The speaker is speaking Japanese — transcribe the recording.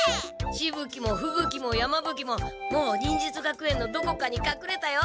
しぶ鬼もふぶ鬼も山ぶ鬼ももう忍術学園のどこかにかくれたよ。